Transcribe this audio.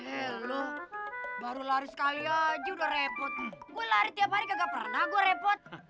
halo baru lari sekali aja udah repot gue lari tiap hari kagak pernah gue repot